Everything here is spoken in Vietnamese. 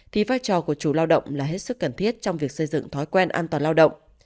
thì vai trò của chủ lao động là hết sức cần thiết trong việc xây dựng thói quen an toàn lao động